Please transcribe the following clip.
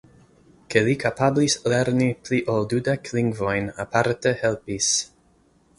Ke li kapablis lerni pli ol dudek lingvojn aparte helpis.